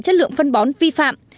chất lượng phân bón vi phạm